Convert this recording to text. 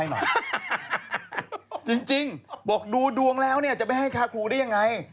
เงินเดือนยังไม่ออกสรุปจ่าย